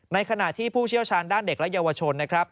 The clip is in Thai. ในขณะที่ผู้เชี่ยวชาญด้านเด็กและเยาวชนนะครับ